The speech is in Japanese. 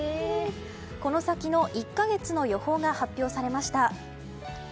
この先の１か月の予報が発表されました。